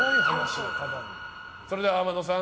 それでは天野さん